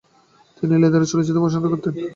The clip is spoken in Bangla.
তিনি লেঁদেরের চলচ্চিত্রগুলোর প্রশংসা করতেন।